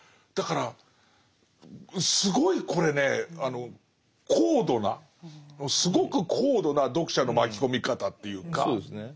だからすごいこれね高度なすごく高度な読者の巻き込み方っていうか。